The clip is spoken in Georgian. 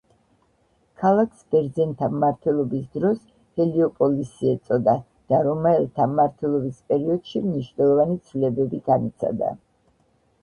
ქალაქს ბერძენთა მმართველობის დროს ჰელიოპოლისი ეწოდა და რომაელთა მმართველობის პერიოდში მნიშვნელოვანი ცვლილებები განიცადა.